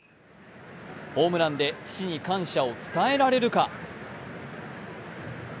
ホームランで父に感謝を伝えられるか。